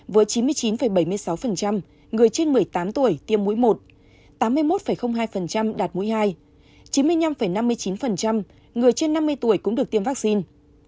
với chín mươi chín bảy mươi sáu người trên một mươi tám tuổi tiêm mũi một tám mươi một hai đạt mũi hai chín mươi năm năm mươi chín người trên năm mươi tuổi cũng được tiêm vaccine